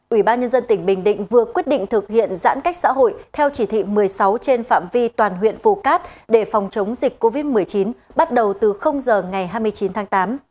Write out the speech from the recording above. ủy ban nhân dân tỉnh bình định vừa quyết định thực hiện giãn cách xã hội theo chỉ thị một mươi sáu trên phạm vi toàn huyện phù cát để phòng chống dịch covid một mươi chín bắt đầu từ giờ ngày hai mươi chín tháng tám